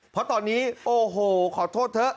เพราะตอนนี้โอ้โหขอโทษเถอะ